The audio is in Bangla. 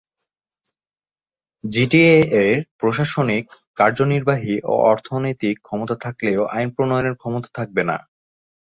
জিটিএ-এর প্রশাসনিক, কার্যনির্বাহী ও অর্থনৈতিক ক্ষমতা থাকলেও আইন প্রণয়নের ক্ষমতা থাকবে না।